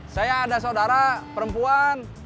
saya ada saudara perempuan